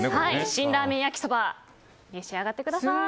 辛ラーメン焼きそば召し上がってください。